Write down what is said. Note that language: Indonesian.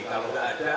kalau enggak ada